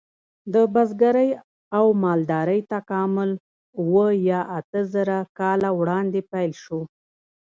د بزګرۍ او مالدارۍ تکامل اوه یا اته زره کاله وړاندې پیل شو.